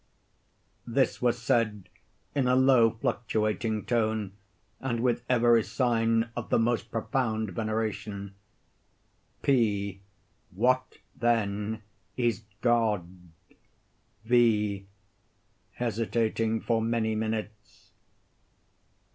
[This was said in a low, fluctuating tone, and with every sign of the most profound veneration.] P. What then, is God? V. [_Hesitating for many minutes.